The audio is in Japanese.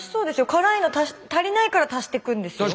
辛いの足りないから足してくんですよ。